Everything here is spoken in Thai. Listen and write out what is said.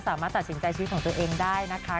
สามารถตัดสินใจชีวิตของตัวเองได้นะคะ